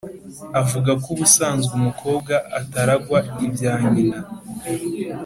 avuga ko ubusanzwe umukobwa ataragwa ibya nyina.